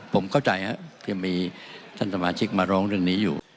ผมเข้าใจครับยังมีท่านสมาชิกมาร้องเรื่องนี้อยู่